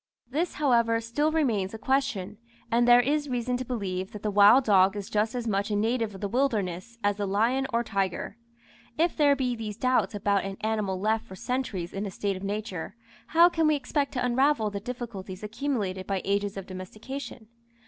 This, however, still remains a question, and there is reason to believe that the wild dog is just as much a native of the wilderness as the lion or tiger. If there be these doubts about an animal left for centuries in a state of nature, how can we expect to unravel the difficulties accumulated by ages of domestication?